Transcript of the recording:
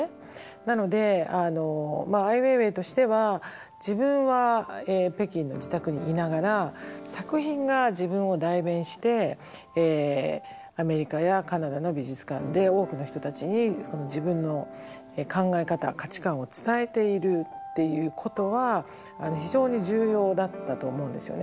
なのでアイ・ウェイウェイとしては自分は北京の自宅にいながら作品が自分を代弁してアメリカやカナダの美術館で多くの人たちに自分の考え方価値観を伝えているっていうことは非常に重要だったと思うんですよね。